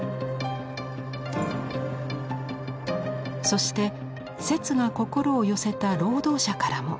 そして摂が心を寄せた労働者からも。